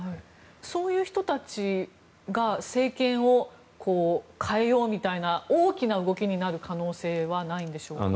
そういう人たちが政権を変えようみたいな大きな動きになる可能性はないんでしょうか？